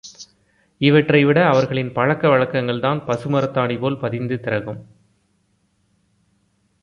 இவற்றைவிட அவர்களின் பழக்க வழக்கங்கள்தான் பசுமரத்தாணிபோல் பதிந்து திறகும்.